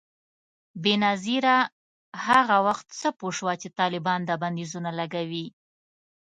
بېنظیره هغه وخت څه پوه شوه چي طالبان دا بندیزونه لګوي؟